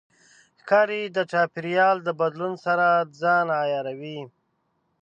ښکاري د چاپېریال د بدلون سره ځان عیاروي.